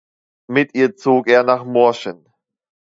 Mit ihr zog er nach Morschen.